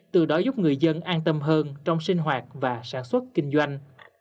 từ đó giúp người dân an tâm hơn trong sinh hoạt và sản xuất kinh doanh